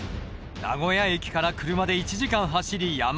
名古屋駅から車で１時間走り山の中へ。